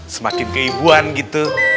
semakin keibuan gitu